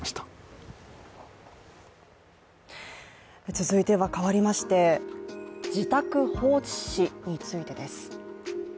続いては変わりまして自宅放置死についてです。